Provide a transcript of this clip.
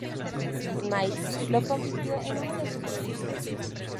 Ismail lo convirtió en uno de sus ministros.